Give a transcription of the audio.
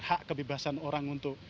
hak kebebasan orang untuk